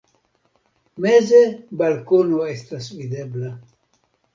Meze balkono estas videbla.